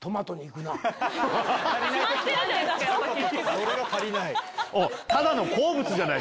それが足りない。